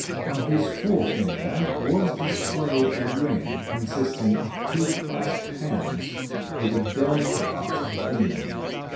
On his forefinger was displayed a ring, consisting of two clasped hands with a burning heart between them.